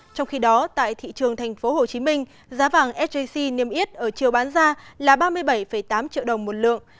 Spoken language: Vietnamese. trong khi đó tại thị trường tp hcm giá vàng sjc niêm yết ở chiều bán ra là ba mươi bảy tám triệu đồng một lượng